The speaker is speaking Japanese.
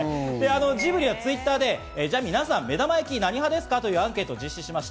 ジブリはＴｗｉｔｔｅｒで目玉焼きは何派ですか？というアンケートを実施しました。